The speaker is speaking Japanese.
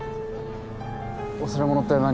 忘れ物って何？